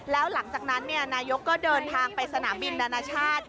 แล้วหลังจากนั้นนายกก็เดินทางไปสนามบินนานาชาติ